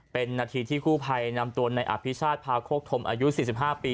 เป็นนาทีที่กู้ภัยนำตัวในอภิชาติพาโคกธมอายุ๔๕ปี